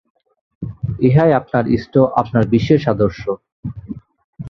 এটিই আপনার ইষ্ট, আপনার বিশেষ আদর্শ।